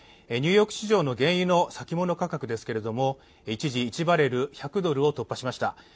ニューヨーク市場の原油の先物価格ですけれども、一時、１バレル＝１００ドルを突破しました。